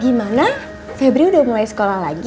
gimana febri udah mulai sekolah lagi